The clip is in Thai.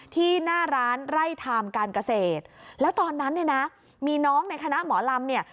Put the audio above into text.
ที่หน้าร้านไร่ไทม์การเกษตรแล้วตอนนั้นเนี่ยนะมีน้องในคณะหมอลำเนี่ย